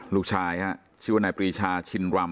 ลูกชายชื่อราชาชินรำ